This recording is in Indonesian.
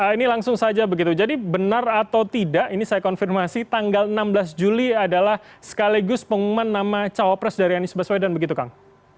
ini langsung saja begitu jadi benar atau tidak ini saya konfirmasi tanggal enam belas juli adalah sekaligus pengumuman nama cawapres dari anies baswedan begitu kang